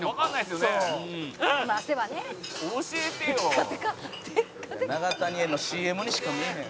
テッカテカ」「永谷園のＣＭにしか見えへん」